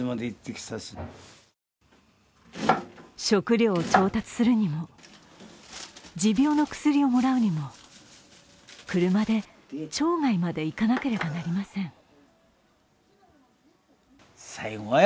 食料を調達するにも持病の薬をもらうにも車で町外まで行かなければなりません。